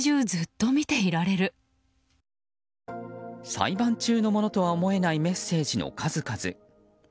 裁判中のものとは思えないメッセージの数々。